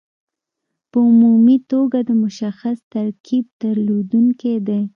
په عمومي توګه د مشخص ترکیب درلودونکي دي.